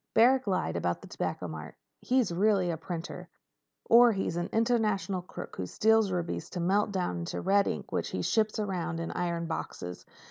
Barrack lied about the Tobacco Mart. He's really a printer. Or he's an international crook who steals rubies to melt down into red ink which he ships around in iron boxes.